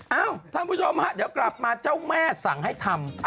เอ้าท่านผู้ชมฮะเดี๋ยวกลับมาเจ้าแม่สั่งให้ทำ